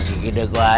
gigi dah gua